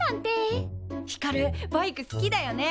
ひかるバイク好きだよね。